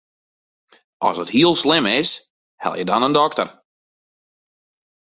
As it hiel slim is, helje dan in dokter.